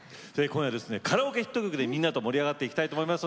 カラオケヒット曲でみんなと盛り上がっていきたいと思います。